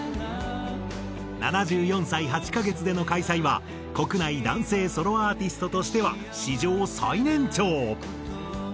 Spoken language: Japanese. ７４歳８カ月での開催は国内男性ソロアーティストとしては史上最年長。